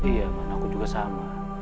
iya man aku juga sama